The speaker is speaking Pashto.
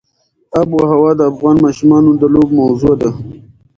آب وهوا د افغان ماشومانو د لوبو موضوع ده.